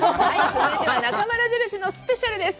続いては「なかまる印」のスペシャルです